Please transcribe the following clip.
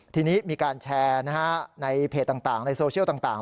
ทีนี้มีการแชร์ในเพจต่างในโซเชียลต่าง